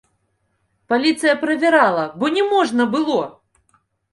Паліцыя правярала, бо не можна было!